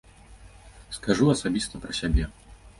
Скажу асабіста пра сябе.